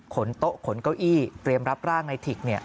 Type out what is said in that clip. ขนโต๊ะขนเก้าอี้เตรมรับร่างในถิกเนี่ย